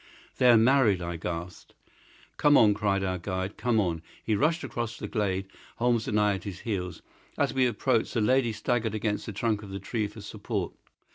"They're married!" I gasped. "Come on!" cried our guide; "come on!" He rushed across the glade, Holmes and I at his heels. As we approached, the lady staggered against the trunk of the tree for support.